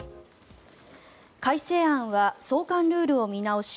改正案は送還ルールを見直し